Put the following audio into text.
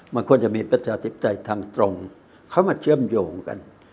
มันควรจะมีประชาธิปไตยทางตรงเข้ามาเชื่อมโยงกัน